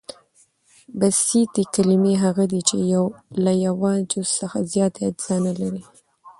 بسیطي کلیمې هغه دي، چي له یوه جز څخه زیات اجزا نه لري.